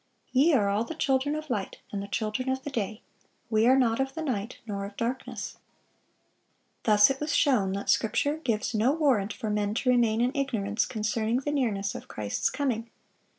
Ye are all the children of light, and the children of the day: we are not of the night, nor of darkness."(614) Thus it was shown that Scripture gives no warrant for men to remain in ignorance concerning the nearness of Christ's coming.